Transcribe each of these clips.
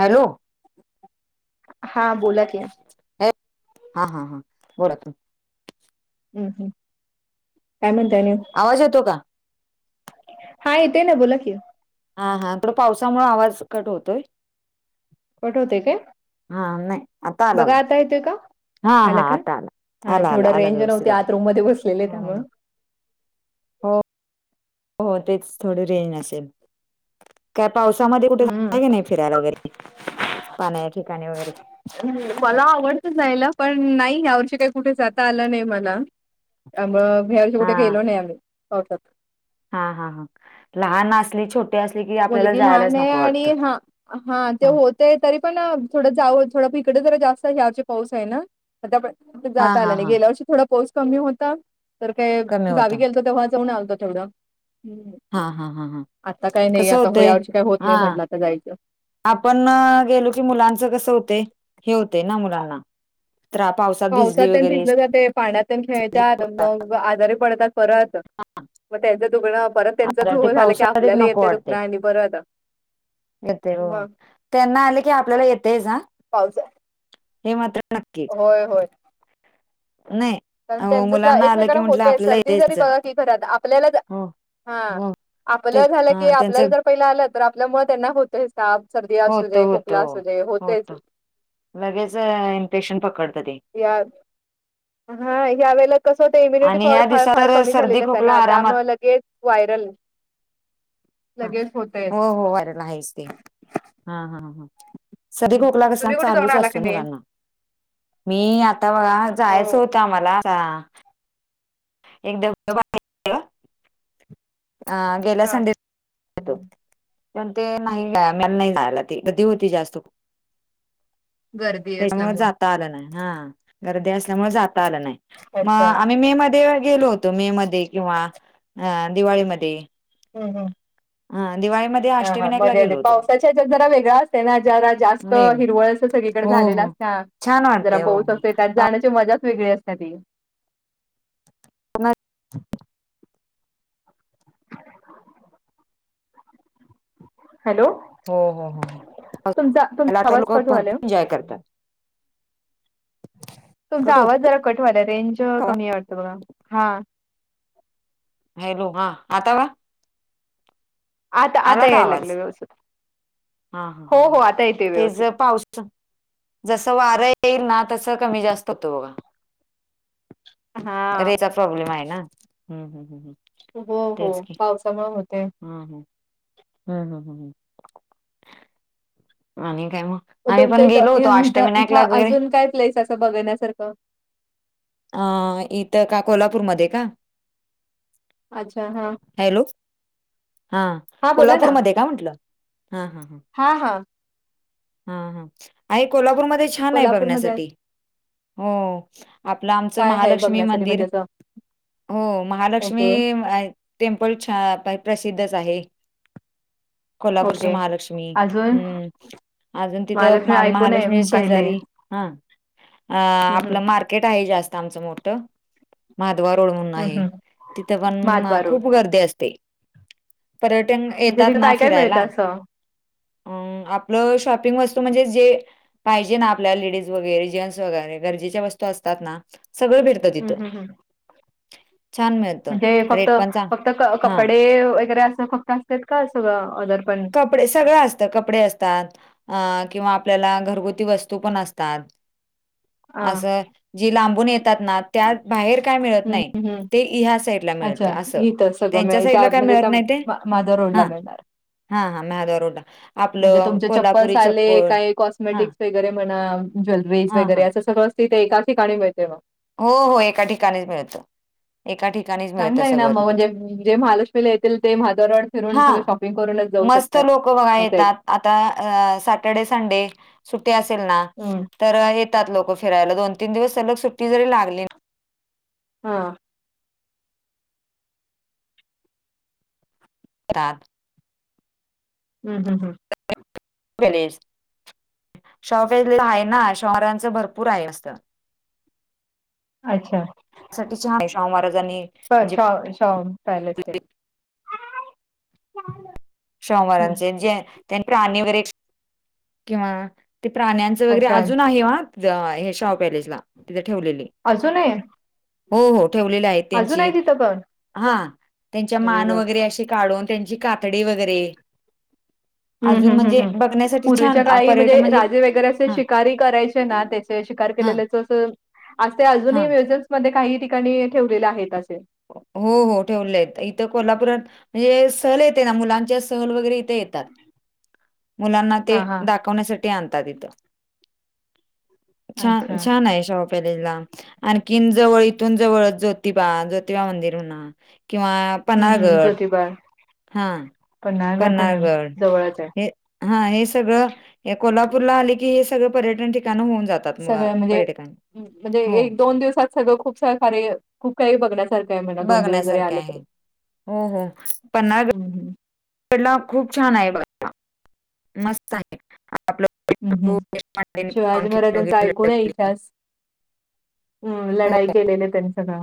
Hello हा बोला की, हा हा हा बोला तू हूं हूं काय म्हणताय आणि आवाज येतो का? हा येतय ना बोला की ओ हा हा थोडं पावसामुळ आवाज कट होतोय. कट होतय काय? हा नाय आता आलं बघा आता येतोय का? हा आला हा का आता आला हा आला आला थोडा आला रेंज व्यवस्थित नव्हती आला आत रूम मध्ये बसलेले हं हा त्यामुळं हं हो -हो तेच थोडी रेंज नसेेल. काय पावसामध्ये कुठे हम्म जाता की नाय फिरायला वगैरे पाण्याच्या ठिकाणी वगैरे. मला आवडत जायला पण नाही यावर्षी काय कुठे जाता आलं नाय मला. त्यामुळ हया वर्षी हा कुठे गेलो नाही आम्ही पावसात. हा हा हा लहान असळी छोटी असली की आपल्याला मुलगी लहान जायलाच आहे नको वाटतं. आणि हा हा ते होतय तरी पण अ थोडं जाऊ थोडं हीकड जरा जास्त ह्यावर्षी पाऊस हाय ना. आता परत पण हा जाता हा आलं नाय, हा गेल्या वर्षी थोडा पाऊस कमी होता. तर काय कमी होता गावी गेलतो तेव्हा जाऊन आलतो तेवढं हूं हा हा हां हां नाही आता हो यावर्षी काय होत नाही म्हटलं आता जायचं. आपण गेलो की मुलांचं कसं होतंय हे होतंय ना मुलांना त्रा पावस पावसात तेन भिजल जातय पाण्यात पण खेळतात मग आजारी पडतात परत म त्यांचं दुखणं परत त्यांच आता ते सुरू झालं की पावसात एक आपल्याला नको येतय दुखणं आणि परत येतय हो मग त्यांना आल की आपल्याला येतयच हा पावसात हे मात्र नक्की होय होय. नय. कारण त्यांचं ज एकमेकांना होतय सर्दी जरी बघा की घरात आपल्याला ज हो हा हो ते आपलं झालं की त्यांच आपल्याला जर पहिलं आलं तर आपलं मुळ त्यांना होतयचं ताप सर्दी असू होत दे होत खोकला असू दे होतयच. होत लगेच इन्फेक्शन पकडत ते. यात हा ह्यावेळेला कसं होत इम्युनिटी आणि पॉवर ह्या फार दिवसात फार तर कमी सर्दी झालेली असते खोकला ना आरामात त्यामुळे लगेच व्हायरल. ह लगेच होतय हो हो व्हायरल हायेच ते हा हा हा सर्दी खोकला कसा तुम्ही कुठे जाऊन चालूच आला की असतो नाही? मुलांना मी आता बघा जायाच हो. होतं आम्हाला कां एकदमत भारी. अ गेल्या संडे [unintelligible] तो. पण ते नाही नाही जायला ते. गर्दी होती जास्त खुप. गर्दी त्याच्यामुळे असल्यामुळे. जाता आलं नाही. हा गर्दी असल्यामुळे जाता आलं नाही. म अच्छा आम्ही मे मध्ये गेलो होतो. मे मध्ये किंवा अ दिवाळीमध्ये. ह, ह. हा दिवाळीमध्ये हा हा अष्टविनायकला मध्ये आधे. गेलो होतो पावसाच्या हच्यात जरा वेगळा असते ना. जरा जास्त होय हिरवळ असं सगळीकडे हो झालेलं हो असते ना. छान जरा वाटते हो पाऊस हो असते. त्यात जाण्याची मजाच वेगळी असते ती. हॅलो. हो, हो, हो. तुमचा होला तुमचा आता आवाज लोक कट व्हायलाय ओ. भरपूर एन्जॉय करतात. तुमचा कट आवाज होत जरा कटव्हायला. रेंज कमीय वटत बघा. हा. हॅलो, हा. आता. आता, आला आता, का यायला लागला आवाज व्यवस्थित. हा, हा, हो हो ह. आता येतोय ते व्यवस्थित. ज पाव जस वारं येईल ना. तस कमी जास्त होतो बघा. हा रेजचा प्रॉब्लेम आहे ना. हम्म, हम्म, हम्म, हम्म. तेच की. त्यामुळ होतेय. हम्म, हम्म, हम्म, हम्म,, ह. आणि काय म. मग तुमच्या इथं, इथं, इथं, अजून काय प्लेस असं. बघण्यासारखं. अ इथं का? कोल्हापूरमध्ये का? अच्छा हा हॅलो. हा बोला ना कोल्हापूरमध्ये. काय म्हटल. हा, हा, हा. हा हा. ह, ह. आहे कोल्हापूरमध्ये छाने कोल्हापूरमध्ये बघण्यासाठी. हो. आपलं आमचं काय आहे महालक्ष्मी बघण्यासाठी मंदिर. म्हणजे असं हो महालक्ष्मी ओके आहे. टेम्पल छान प्रसिद्धच आहे. कोल्हापूरची ओके महालक्ष्मी. अजून हम्म. अजून तिथं महालक्ष्मी ऐकून आहे महालक्ष्मी मी पाहिले शेजारी ह. हम्म हम्म आपलं मार केट आहे. जास्त आमचं मोठं. माधवा रोड म्हणून हम्म आहे. हम्म तिथे पण महाद्वार रोड खूप गर्दी असते. पर्यटन म्हणजे येतात तिथं ना काय काय फिरायला. मिळतं असं अ आपलं शॉप पीग वस्तू म्हणजे जे पाहिजे ना आपल्याला लेडीज वगैरे. जेंट्स वगैरे. गरजेच्या वस्तू असतात ना. सगळं भेट त हम्म तीथ. हम्म हम्म छान मीळ म्हणजे फक्त फक्त कपडे वगैरे असं फक्त असतात का? सगळं ओदरपण. कपडे, सगळं असत. कपडे असतात. अ किंवा आपल्याला घरगुती वस्तू पण असतात. हा असं जी लांबून येतात ना. त्यात बाहेर काय मिळत हम्म नाही. हम्म हम्म. ते ह्या साईडला मिळत अच्छा असं. इथं सगळं त्यांच्या मिळेल त्या साईडला काय म्हणजे मिळत त्या नाही ते. मा- माधव रोडला हा. मिळणार हा हा मधवा रोडला. म्हणजे आपलं तुमचे चप्पलस कोल्हापुरी आले. चप्पल काय हां, कॉस्मेटिक्स वगैरे म्हणा. ज्वेलरीज हां, वगैरे हां. असं सगळं. तिथे एका ठिकाणी मिळते मग. हो हो एका ठिकाणीच मिळतं. एका ठिकाणीच. मिळतं चांगलंय ना सगळं म. तिथं. म्हणजे जे महालक्ष्मीला येतील. ते महाधवा रोड फिरून. सगळं हां, शॉपिंग करूनच जाऊ. मस्त शकतात. लोक बघा असेल येतात. आता सॅटर्डे संडे सुट्टे असेल ना. हम्म. तर येतात लोक फिरायला. दोन तीन दिवस सलग सुट्टी जरी लागली. ह. [unintelligible] हम्म हम्म हम्म गणेश शौफ आहे ना शहरांचं भरपूर आहे असत. अच्छा. त्या शाहू महाराजांनी म्हणजे [unintelligible] पॅलेट ते. शाहू हं. महाराजांचे जे त्यानी प्राणी वैगेरे किंवा ते प्राण्यांच वगैरे अच्छा. अजून आहे ह तिथे हे शाहू पॅलेसला तिथे ठेवलेले. अजून आहे. हो हो ठेवलेले आहेत. अजून त्याची आहे तिथं पण? हा त्यांची अरे मान वाह! वगैरे काढून त्याची कातडी वगैरे, अजून म्हणजे बघण्यासाठी च्या छान अ, काळी म्हणजे पर्यटन राजे वगैरे असे हा शिकारीही करायचे ना त्याचे शिकार हा केलेल्याच अस आज ते हा अजूनही म्युझियम्स मध्ये काही ठिकाणी ठेवलेले आहेत असे. हो हो ठेवले आहेत. इथ कोल्हापुरात म्हणजे सहल येते ना मुलांच्या. सहल वगैरे इथे येतात. मुलांना ते हां, हां. दाखवण्यासाठी. ते आणत इथ‌. अच्छा. छान छान आहे शाहु पॅलेसला. आणखी जवळ इथून जवळ जोतिबा ज्योतिबा मंदिर म्हणा. किंवा हम्म हम्म पन्हाळगड जोतिबा, हां, पन्हाळा गड पण आहे. जवळच आहे. हा हे सगळं या कोल्हापूरला आले की, हे सगळं पर्यटन ठिकाण होऊन जात. सगळ्या म्हणजे पर्यटकांनी म्हणजे एक दोन दिवसात सगळं खूप छान कार्य खूप काही बघण्यासारखं आहे म्हणा दोन दिवस जरी बघण्यासारखे आल आहे. तरी. हो हो पन्हाळ [inaudible] पन्हाळा खूप छान आहे बघा. मस्त हम्म हम्म. शिवाजी महाराजांचा ऐकून [unintelligible] हम्म हो, लढाई केलेल त्यांच गाव.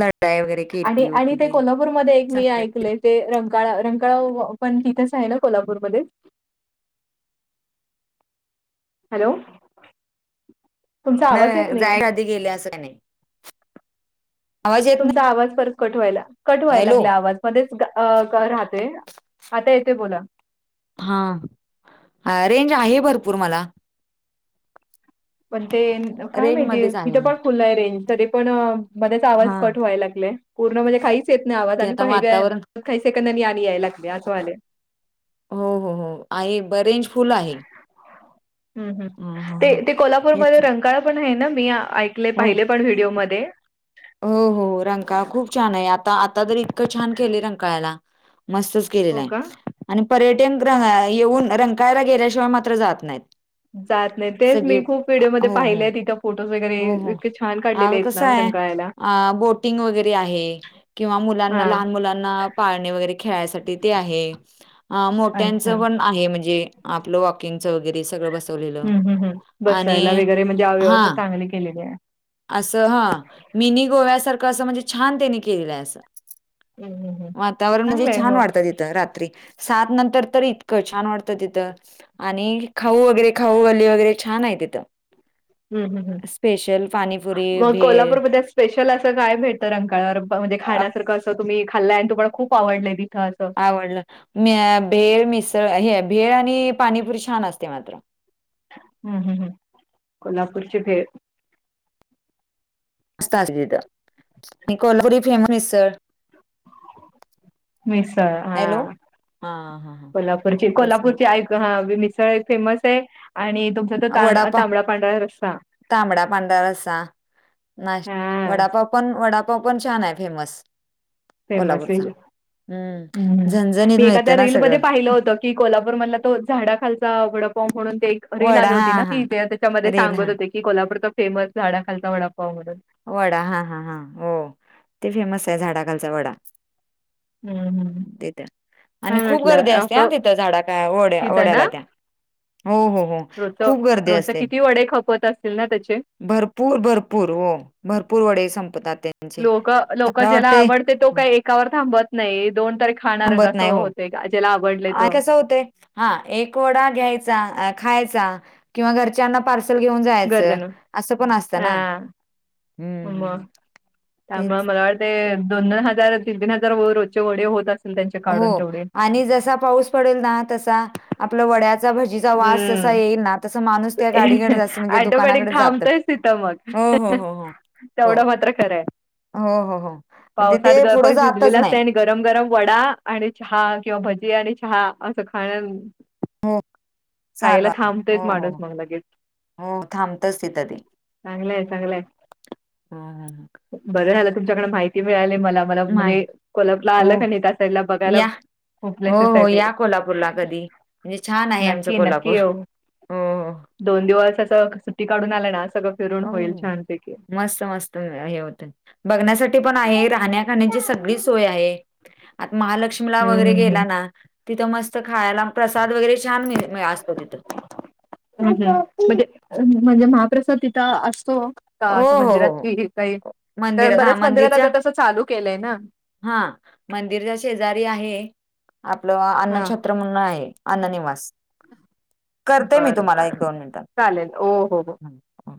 लढाई वगैरे आणि केली आणि होती ते कोल्हापूरमध्ये एक मी ऐकलय. ते रंकाळा रंकाळा पण तिथेच आहे ना कोल्हापूरमध्ये हॅलो तुमचा आवाज येत नाही नाहीये जायच्या आधी गेले अस काय नाही. आवाज ये तुमचा आवाज परत कट व्हायला. कट व्हायला लागलाय आवाज. मध्येच ग राहते. आता येतोय बोला. हा रेंज आहे भरपूर मला. पण ते काय रेंज माहिती मध्येच आहे इथे मी पण फुल आहे रेंज. तरी पण मध्येच आवाज हा कट व्हायला लागलेय. पूर्ण म्हणजे काहीच येत नाही आवाज ते आणि प आता वातावरण व काही सेकंद आणि याय लागले असं व्हाय लागलय. हो हो हो आहे ब रेंज फुल आहे हम्म हम्म हा हा ते हा ते कोल्हापूरमध्ये हेच रणकाळ रंकाळ पण आहे ना. मी ऐकले हो पाहिले पण व्हिडिओमध्ये. हो हो रंकाळा खूप छान आहे. आता आता तर इतकं छान केलं रंकाळ्याला. मस्तच केलेला हो आहे. का? आणि पर्यटन गृह येऊन रंकळ्याला गेल्याशिवाय म खर जात नाहीत. जात नाही. तेच सगळी मी खूप व्हिडिओमध्ये हो हो पाहिले आहेत तिथ. हो हो आग कस आहे. रंकाळ्याला. अ बोटिंग वगैरे आहे. किंवा हा मुलांना लहान मुलां - ना पाळणे वगैरे खेळासाठी ते आहे आ मोठ्यांच अच्छा पण आहे म्हणजे आपलं वॉकिंगचं वगैरे सगळं बसवलेलं हम्म हम्म हम्म आणि बसायला वगैरे म्हणजे हां - - [unintelligible] केलेली आहे. असं हा मिनी गोव्यासारखं असं म्हणजे छान त्यांनी केलेलं आहे असं. हम्म हम्म हम्म वातावरण म्हणजे चांगलंय छान हो वाटतं तिथ. त रात्री सात नंतर तर इतकं छान वाटत तिथ आणि खाऊ वगैरे खाऊ गल्ली वगैरे छान आहे तिथं. हं हं हं. स्पेशल पाणीपुरी, मग भेळ कोल्हापूरमध्ये स्पेशल असं काय भेटतं अ रंकाळावर म्हणजे ब अ खाण्यासारखं अस त तुम्ही खाल्लाय तुम्हाला खूप आवडलंय तिथं असं आवडलं म भेळ, मिसळ हे भेळ आणि पाणीपुरी छान असते मात्र. हं हं हं कोल्हापूरची भेळ. मस्त असतय तिथ आणि कोल्हापूरी फेमस मिसळ मिसळ हॅलो हा हा हा हा कोल्हापूरची तेच की कोल्हापूरची आइक क हा मिसळ एक फेमस आहे आणि तु वडापाव, तांबडा, पांढरा रस्सा. नाश हा वडापाव पण वडापाव पण छान आहे फेमस. फेमस मी कोल्हापूरचा. हम हम्म हम झणझणीत मी एखाद्या मिळतं ना रीलमध्ये सगळं. पाहिलं होत. कि कोल्हापूर मधला तो झाडाखालचा वडापाव म्हणून ते रील वडा आली होती हा ना हा की ज त्याच्यामध्ये रेल सांगत हा होते की कोल्हापूरचा फेमस झाडा खालचा वडापाव म्हणून. वडा हा हा हा हो ते फेमस आहे. झाडाखालचा वडा. हम हम. तिथं. आणि खूप गर्दी असते आ तिथं झाडा काय ओढ्या तिथं ओढ्याला ना त्या. हो हो हो रोजचं खूप गर्दी रोजचं असते किती वडे खपत असतील ना त्याचे भरपूर भरपूर हो भरपूर वडे संपतात त्यांचे लोक लोक मला ज्याला वाटते आवडते तो काही एकावर थांबत नाही दोन तरी खाणारच थांबत अस नाही हो होत ग ज्याला आवडलय आणि तो. कसं होतय. हा एक वडा घ्यायचा, खायचा किंवा घरच्यांना पार्स ल घेऊन जायच गरजण अस पण असत हा ना. त्यामुळ तेच मला वाटतय दोन, दोन हजार, तीन तीन हजार व रोज ची वडे होत असती हो आणि जसा पाऊस पडेल ना तसा आपलं वड्यात चा भजीचा वास जसा हम्म येईल ना तसा माणूस त्या गाडीकड म्हणजे दुकानाकड जात. ह- हो हो ह हो हो हो तेवढं मात्र खरं आहे. हो हो हो म्हणजे पावसात ते पुढं [unintelligible] भिजलेल जातच नाही असतय आणि गरम गरम वडा आणि चहा किंवा भजी आणि चहा असं खाण हो. चालू खायला आता थांबतोयच हो हो माणूस हो मग लगेच. हो थांबतच तिथं ते चांगलंय हम्म हम्. बर झाल तुमच्याकडे. माहिती मिळालीये मला मला मा म्हणजे कोल्हापूरला हो आलं का नाही त्या साईडला बघायला या खूप हो प्लेसेस आहे हो ते या कोल्हापूरला कधी म्हणजे छान आहे. आमचं नक्की नक्की कोल्हापूर येऊ हो दोन दिवस असं सुट्टी काढून आलं ना सगळं फिरून हो होईल हो. छानपैकी. मस्त मस्त. हे होत बघण्यासाठी पण आहे राहण्या खाण्याची सगळी सोय आहे. आता महालक्ष्मीला हम्म वगैरे हम्म गेला ना? तिथं मस्त खायला प्रसाद वगैरे छान मि मि असतो तिथं. अ म्हणजे म्हणजे महाप्रसाद तिथं असतो का हो असं हो मंदिरात हो हो. काही घेता येत की काही कारण मंदिरात हा बर्याच मंदिरात मंदिरच्या आता तसं चालू केलंय ना हा मंदिरच्या शेजारी आहे आपलं अन्नछत्र म्हणून आहे अन्न निवास करते मी बर तुम्हाला बर एक दोन मिनिटात चालेल हो हो हं, हं.